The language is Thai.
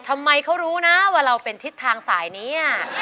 ทำไมเขารู้นะว่าเราเป็นทิศทางสายนี้